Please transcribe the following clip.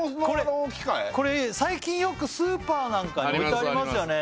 これ最近よくスーパーなんかに置いてありますよね